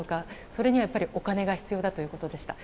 それにはやっぱりお金が必要だということでした。